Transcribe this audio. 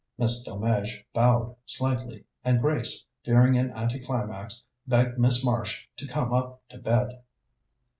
Miss Delmege bowed slightly, and Grace, fearing an anticlimax, begged Miss Marsh to come up to bed.